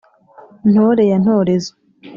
ntore ya ntorezo